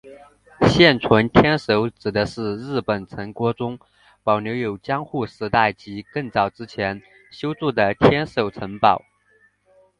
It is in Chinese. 现存天守指的是日本城郭中保留有江户时代及更早之前修筑的天守的城堡。